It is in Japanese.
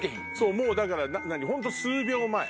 もうだからホント数秒前。